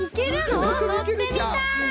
のってみたい！